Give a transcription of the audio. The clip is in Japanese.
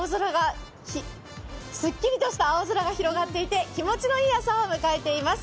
すっきりとした青空が広がっていて気持ちのいい朝を迎えています。